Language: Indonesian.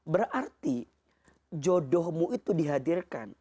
berarti jodohmu itu dihadirkan